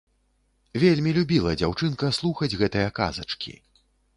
Вельмі любіла дзяўчынка слухаць гэтыя казачкі.